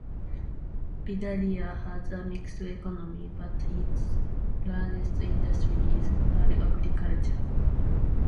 Vidalia has a mixed economy, but its largest industry is agriculture.